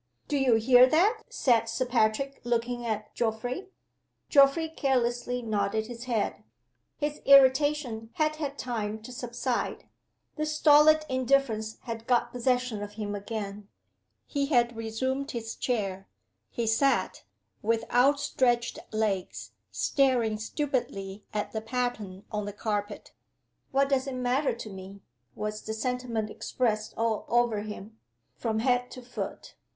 "Do you hear that?" said Sir Patrick, looking at Geoffrey. Geoffrey carelessly nodded his head. His irritation had had time to subside; the stolid indifference had got possession of him again. He had resumed his chair he sat, with outstretched legs, staring stupidly at the pattern on the carpet. "What does it matter to Me?" was the sentiment expressed all over him, from head to foot.